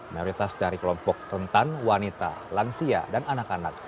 mayoritas dari kelompok rentan wanita lansia dan anak anak